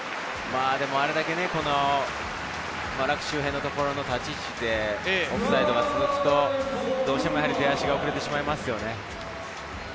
あれだけラック周辺の立ち位置でオフサイドが続くと、どうしても出足が遅れてしまいますよね。